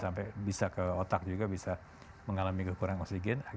sampai bisa ke otak juga bisa mengalami kekurangan oksigen